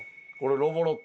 ロボロック？